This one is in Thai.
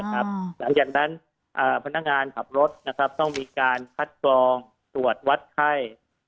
หลังจากนั้นพนักงานขับรถต้องมีการคัดกรองตรวจวัดไข้